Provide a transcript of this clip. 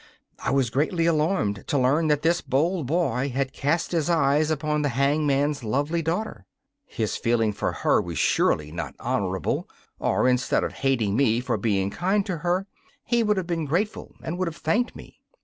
I was greatly alarmed to learn that this bold boy had cast his eyes upon the hangman's lovely daughter. His feeling for her was surely not honourable, or, instead of hating me for being kind to her, he would have been grateful and would have thanked me.